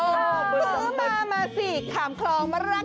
ซื้อมามาสิข้ามคลองมารักกันรักกัน